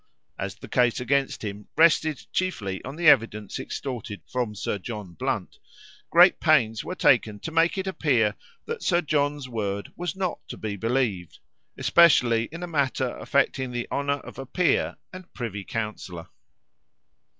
As the case against him rested chiefly on the evidence extorted from Sir John Blunt, great pains were taken to make it appear that Sir John's word was not to be believed, especially in a matter affecting the honour of a peer and privy councillor.